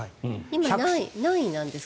今、何位なんですか？